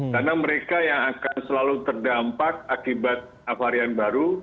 karena mereka yang akan selalu terdampak akibat varian baru